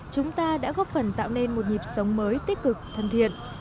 chúng ta đã góp phần tạo nên một nhịp sống mới tích cực thân thiện